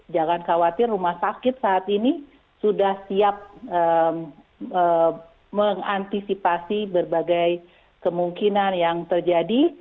jangan khawatir rumah sakit saat ini sudah siap mengantisipasi berbagai kemungkinan yang terjadi